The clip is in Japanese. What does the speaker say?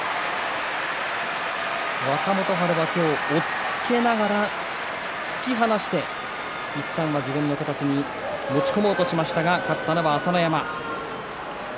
若元春は今日押っつけながら突き放していったんは自分の形に持ち込もうとしましたが勝ったのは朝乃山。